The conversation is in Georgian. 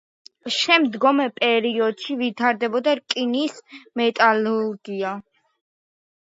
შემდგომ პერიოდში ვითარდება რკინის მეტალურგია.